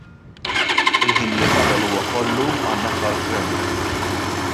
Il-ħin li fadal huwa kollu għan-naħa tal-Gvern.